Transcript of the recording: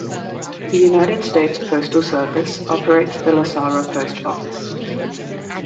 The United States Postal Service operates the Lasara Post Office.